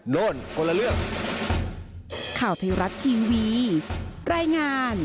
โน่นคนละเรื่อง